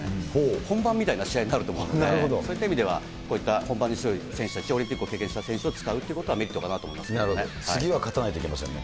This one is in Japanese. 本番みたいな試合になると思うので、そういった意味では、こういった本番に強い選手たち、オリンピックを経験した選手たちを使うということはメリットかな次は勝たないといけませんね。